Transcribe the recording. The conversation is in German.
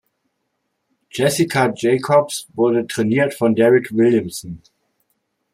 Jessica Jacobs wurde trainiert von "Derick Williamson".